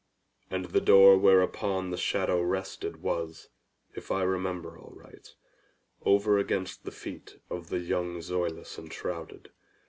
And the door whereupon the shadow rested was, if I remember aright, over against the feet of the young Zoilus enshrouded.